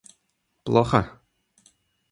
плохо